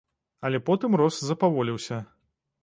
Але потым рост запаволіўся.